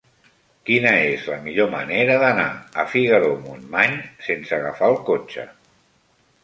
Quina és la millor manera d'anar a Figaró-Montmany sense agafar el cotxe?